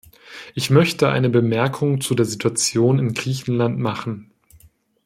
Ich möchte eine Bemerkung zu der Situation in Griechenland machen.